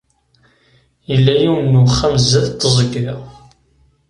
Yella yiwen n wexxam sdat teẓgi.